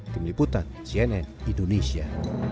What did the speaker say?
tim liputan cnn indonesia